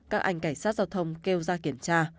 các anh cảnh sát giao thông kêu ra kiểm tra